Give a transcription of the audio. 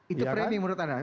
itu framing menurut anda